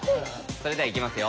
それではいきますよ。